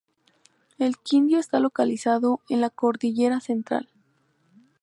El Quindío está localizado en la cordillera central.